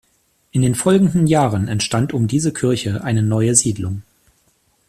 In den folgenden Jahren entstand um diese Kirche eine neue Siedlung.